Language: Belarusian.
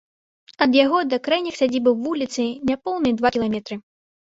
Ад яго да крайніх сядзібаў вуліцы няпоўныя два кіламетры.